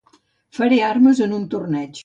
Faré armes en un torneig.